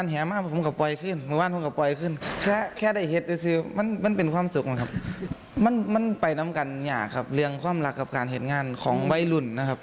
เรียงความรักกับการเห็นงานของวัยรุ่นนะครับ